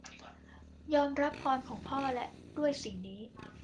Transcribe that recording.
ยอมรับพรของพ่อและด้วยสิ่งนี้